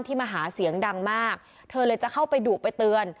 มาหาเสียงดังมากเธอเลยจะเข้าไปดุไปเตือน